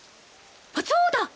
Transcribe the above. あっそうだ！